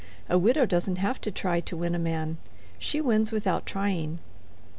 A widow doesn't have to try to win a man; she wins without trying.